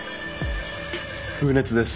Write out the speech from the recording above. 風熱です。